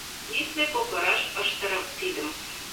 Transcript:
Витле кокыраш ыштырым пидым.